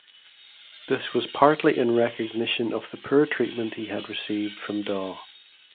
This was partly in recognition of the poor treatment he had received from Dawe.